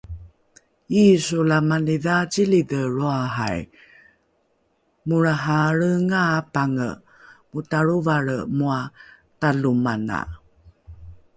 Yisu la mani dhaacilidhe lroahai, molrahaalrenga apange motalrovalre moa talomana